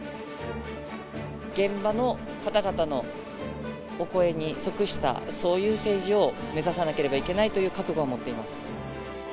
現場の方々のお声に即した、そういう政治を目指さなければいけないという覚悟を持っています。